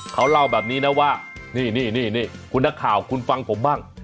เขาเล่าแบบนี้นะว่านี่คุณนักข่าวคุณฟังผมบ้าง